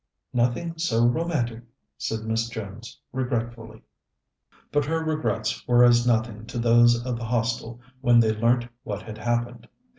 "Nothing so romantic," said Miss Jones regretfully. But her regrets were as nothing to those of the Hostel when they learnt what had happened.